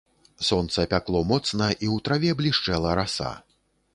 Сонца пякло моцна, і ў траве блішчэла раса.